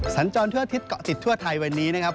สันจรทั่วอาทิตย์ทหัวไทยวันนี้นะครับ